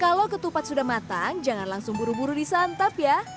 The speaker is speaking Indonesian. kalau ketupat sudah matang jangan langsung buru buru disantap ya